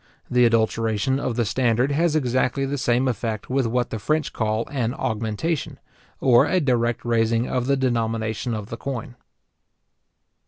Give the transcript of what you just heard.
The adulteration of the standard has exactly the same effect with what the French call an augmentation, or a direct raising of the denomination of the coin.